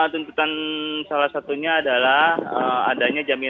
tuntutan salah satunya adalah adanya jaminan